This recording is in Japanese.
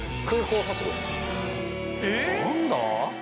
・何だ？